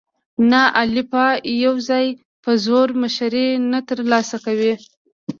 نر الفا یواځې په زور مشري نه تر لاسه کوي.